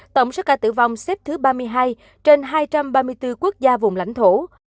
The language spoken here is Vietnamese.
tổng số ca tử vong xếp thứ ba mươi hai trên hai trăm ba mươi bốn quốc gia vùng lãnh thổ